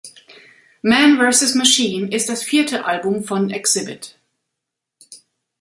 Man vs Machine ist das vierte Album von Xzibit.